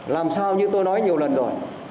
làm sao như tôi nói nhiều lần rồi